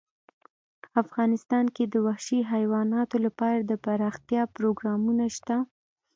افغانستان کې د وحشي حیوانات لپاره دپرمختیا پروګرامونه شته.